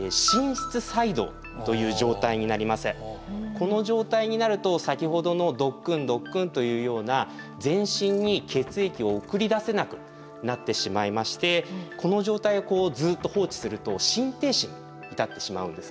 この状態になると先ほどのドックンドックンというような全身に血液を送り出せなくなってしまいましてこの状態をずっと放置すると心停止に至ってしまうんです。